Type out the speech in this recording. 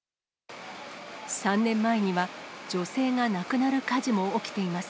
３年前には女性が亡くなる火事も起きています。